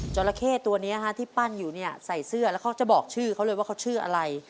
จราเข้ตัวนี้ที่ปั้นอยู่เนี่ยใส่เสื้อแล้วเขาจะบอกชื่อเขาเลยว่าเขาชื่ออะไร